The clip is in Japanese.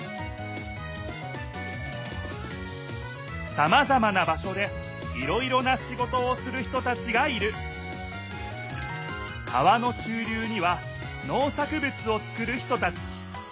さまざまな場所でいろいろなシゴトをする人たちがいる川の中りゅうにはのう作ぶつを作る人たち。